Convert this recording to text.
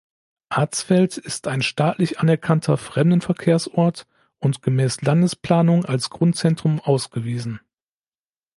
Arzfeld ist ein staatlich anerkannter Fremdenverkehrsort und gemäß Landesplanung als Grundzentrum ausgewiesen.